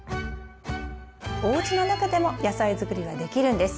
おうちの中でも野菜づくりはできるんです。